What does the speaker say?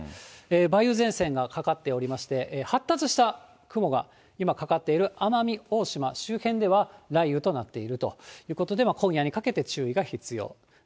梅雨前線がかかっておりまして、発達した雲が今、かかっている奄美大島周辺では雷雨となっているということで、今夜にかけて注意が必要。